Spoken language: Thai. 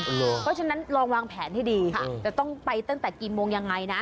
เพราะฉะนั้นลองวางแผนให้ดีจะต้องไปตั้งแต่กี่โมงยังไงนะ